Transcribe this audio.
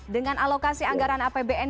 dengan alokasi anggaran apbn